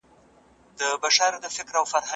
موږ له نورو خلکو څه هيلې لرو؟